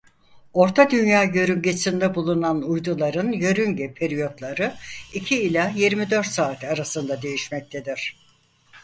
Orta Dünya yörüngesinde bulunan uyduların yörünge periyotları iki ila yirmi dört saat arasında değişmektedir.